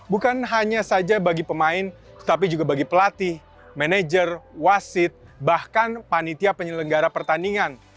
bukan hanya saja bagi pemain tapi juga bagi pelatih manajer wasit bahkan panitia penyelenggara pertandingan